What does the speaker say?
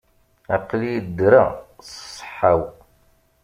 Aql-iyi ddreɣ, s ṣṣeḥḥa-w.